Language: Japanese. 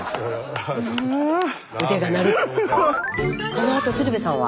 このあと鶴瓶さんは？